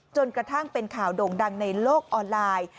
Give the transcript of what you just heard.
จนกระทั่งเป็นข่าวโด่งดังในโลกออนไลน์